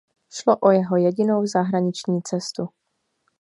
Šlo o jeho jedinou zahraniční cestu.